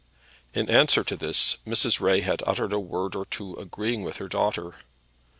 In answer to this Mrs. Ray had uttered a word or two agreeing with her daughter.